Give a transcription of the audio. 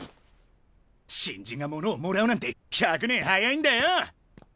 新人がものをもらうなんて百年早いんだよ！